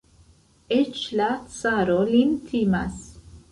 Eĉ la caro lin timas.